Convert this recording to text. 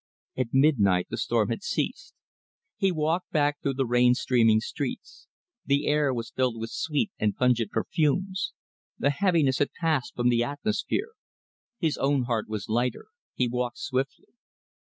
At midnight the storm had ceased. He walked back through the rain streaming streets. The air was filled with sweet and pungent perfumes. The heaviness had passed from the atmosphere. His own heart was lighter; he walked swiftly.